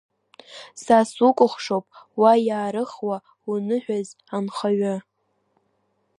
Са сукәыхшоуп уа иаарыхуа уныҳәаз анхаҩы!